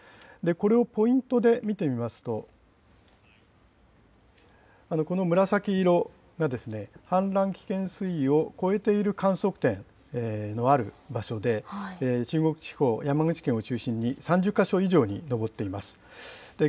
これをポイントで見てみますと、この紫色が氾濫危険水位を超えている観測点のある場所で、中国地方、山口県を中心に３０か所以上に上っています。